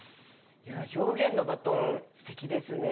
いや表現のバトンすてきですね！